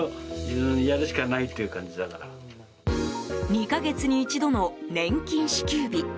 ２か月に一度の年金支給日。